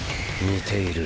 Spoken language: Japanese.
似ている。